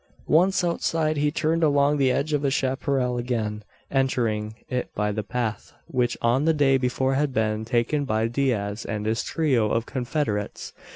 Once outside, he turned along the edge of the chapparal, again entering it by the path which on the day before had been taken by Diaz and his trio of confederates.